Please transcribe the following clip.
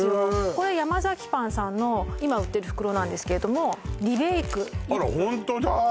これヤマザキパンさんの今売ってる袋なんですけれども「リベイク」あらホントだ